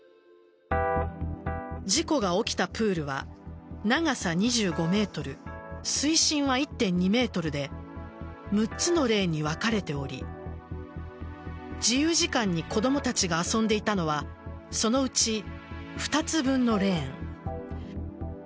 事故が起きたプールは長さ２５ｍ、水深は１．２ｍで６つのレーンに分かれており自由時間に子供たちが遊んでいたのはそのうち２つ分のレーン。